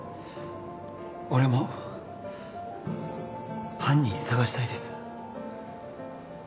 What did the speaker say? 俺も犯人捜したいです